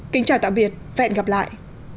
kính chào tạm biệt và hẹn gặp lại